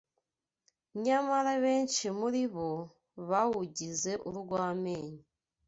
nyamara benshi muri bo bawugize urw’amenyo.